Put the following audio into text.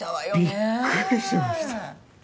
びっくりしました。